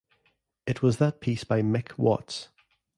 It was that piece by Mick Watts.